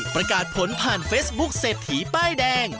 ประกาศผลผ่านเฟซบุ๊คเศรษฐีป้ายแดง